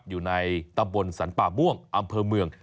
อยู่ในตำบลสรรป่าม่วงอำเภอเมือง